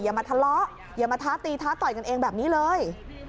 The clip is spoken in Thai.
อย่ามาทะเลาะอย่ามาท้าตีท้าต่อยกันเองแบบนี้เลย